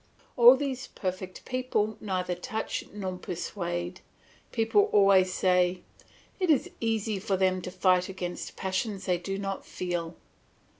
All these perfect people neither touch nor persuade; people always say, "It is easy for them to fight against passions they do not feel."